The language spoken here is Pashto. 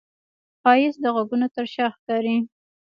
ښایست د غږونو تر شا ښکاري